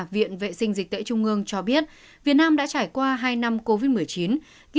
viện vệ sinh dịch tễ trung ương cho biết việt nam đã trải qua hai năm covid một mươi chín